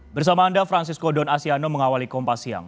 bersama anda francisco don asianno mengawali kompas siang